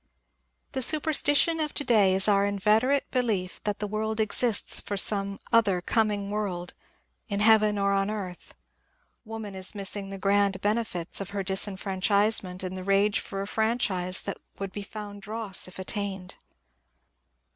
The superstition of to day is our inveterate belief that the world exists for some other coming world, — in heaven or on the earth. Woman is missing the grand benefits of her dis franchisement in the rage for a franchise that would be found dross if attained.